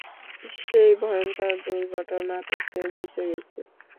সেই ভয়ঙ্কর দুর্ঘটনা থেকে বেঁচে গেছি।